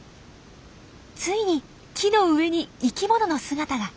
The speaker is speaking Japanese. ついに木の上に生きものの姿が！